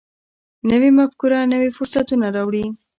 نوې مفکوره نوي فرصتونه راوړي